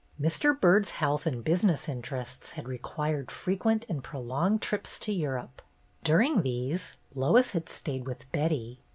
Mr. Byrd's health and business interests had required frequent and prolonged trips to Europe ; during these, Lois had stayed with Betty.